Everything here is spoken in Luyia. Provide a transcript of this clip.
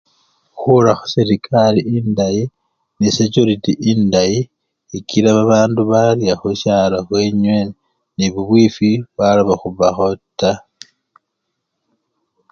Khurakho serekari endayi nsesechuriti endayi ikila babandu barya khusyalo khwenywe nebubwifwi bwaloba khubakho taa.